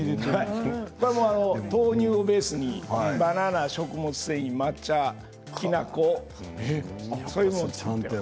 これはもうあの豆乳をベースにバナナ食物繊維抹茶きな粉そういうものを。